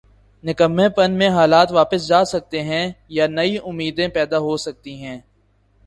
نکمّے پن میں حالات واپس جا سکتے ہیں یا نئی امیدیں پیدا ہو سکتی ہیں۔